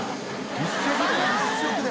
「１食で？」